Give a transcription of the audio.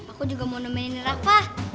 aku juga mau nemenin rafah